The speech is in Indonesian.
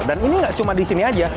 dan ini nggak cuma di sini aja